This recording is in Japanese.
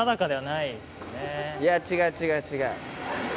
いや違う違う違う。